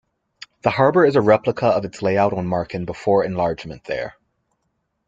The harbor is a replica of its layout on Marken before enlargement there.